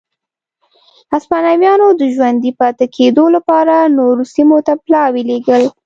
هسپانویانو د ژوندي پاتې کېدو لپاره نورو سیمو ته پلاوي لېږل.